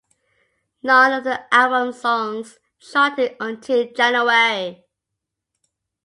None of the album's songs charted until January.